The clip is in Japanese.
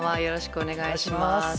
よろしくお願いします。